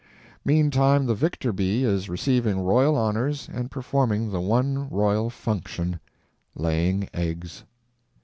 Meantime the victor bee is receiving royal honors and performing the one royal function—laying eggs.